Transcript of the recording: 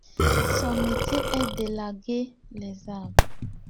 Son métier est d’élaguer les arbres.